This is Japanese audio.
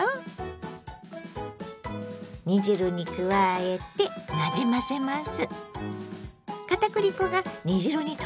煮汁に加えてなじませます。